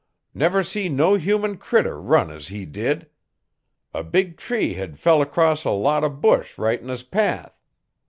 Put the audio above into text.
Never see no human critter run as he did! A big tree hed fell 'cross a lot o' bush right 'n his path.